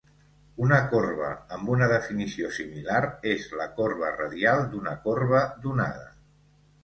Una corba amb una definició similar és la corba radial d'una corba donada.